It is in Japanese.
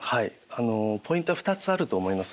ポイントは２つあると思います。